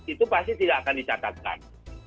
itu pasti tidak akan dicatatkan